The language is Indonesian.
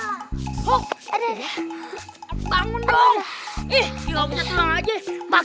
kita mau ke tempat yang lebih baik